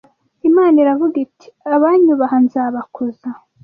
Imana iravuga iti, Abanyubaha nzabakuza